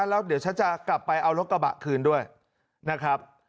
แล้วเดี๋ยวฉันจะกลับไปเอารถกระบะคืนด้วยนะครับ